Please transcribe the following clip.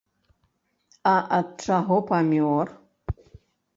А ад чаго памёр?